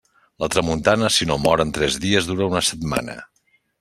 La tramuntana, si no mor en tres dies, dura una setmana.